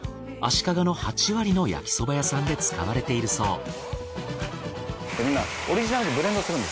足利の８割の焼きそば屋さんで使われているそう。